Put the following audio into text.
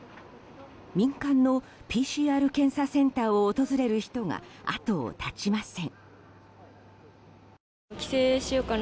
民間のＰＣＲ検査センターを訪れる人が後を絶ちません。